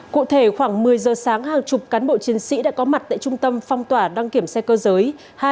cụ thể khoảng một mươi giờ sáng hàng chục cán bộ chiến sĩ đã có mặt tại trung tâm phong tỏa đăng kiểm xe cơ giới